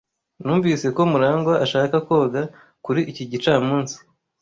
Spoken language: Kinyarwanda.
Numvise ko Murangwa ashaka koga kuri iki gicamunsi.